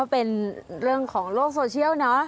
เป็นเรื่องของโลกโซเชียลเนอะ